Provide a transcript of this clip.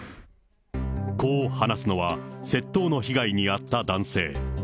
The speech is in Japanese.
こう話すのは、窃盗の被害に遭った男性。